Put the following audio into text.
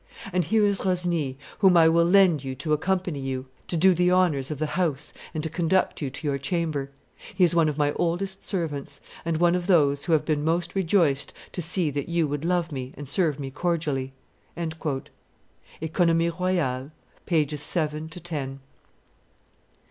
And here is Rosny, whom I will lend you to accompany you, to do the honors of the house and to conduct you to your chamber: he is one of my oldest servants, and one of those who have been most rejoiced to see that you would love me and serve me cordially.'" [(OEconomies royales, t. iii. pp. 7 10.